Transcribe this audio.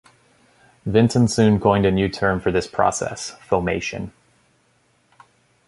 Vinton soon coined a new term for this process, "Foamation".